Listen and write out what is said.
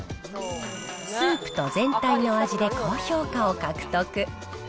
スープと全体の味で高評価を獲得。